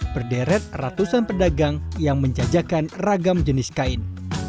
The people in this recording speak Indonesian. berderet ratusan pedagang yang menjajakan ragam jenis kain